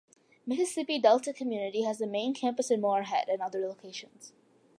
Mississippi Delta Community College has a main campus in Moorhead and other locations.